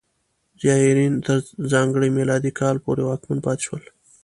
زیاریان تر ځانګړي میلادي کاله پورې واکمن پاتې شول.